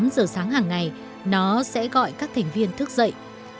tám giờ sáng hàng ngày nó sẽ gọi các thành viên thức dậy